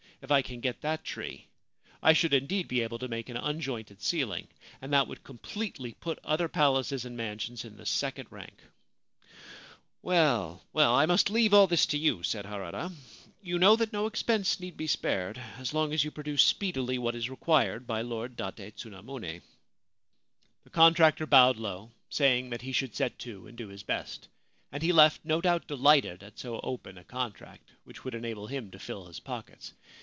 If I can get that tree, I should indeed be able to make an unjointed ceiling, and that would completely put other palaces and mansions in the second rank/ ' Well, well, I must leave all this to you/ said Harada. * You know that no expense need be spared so long as you produce speedily what is required by Lord Date Tsunamune.' The contractor bowed low, saying that he should set to and do his best ; and he left, no doubt, delighted at so open a contract, which would enable him to fill his pockets.